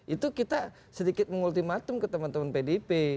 itu kita sedikit mengultimatum ke teman teman pdip